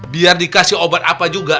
biar dikasih obat apa juga